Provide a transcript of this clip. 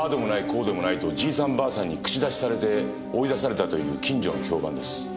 こうでもないとじいさんばあさんに口出しされて追い出されたという近所の評判です。